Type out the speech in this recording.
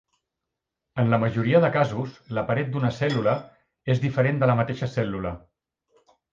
En la majoria dels casos, la paret d'una cèl·lula és diferent de la de la mateixa cèl·lula.